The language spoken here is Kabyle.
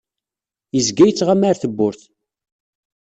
Yezga yettɣama ar tewwurt.